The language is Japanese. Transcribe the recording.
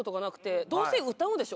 どうせ歌うんでしょ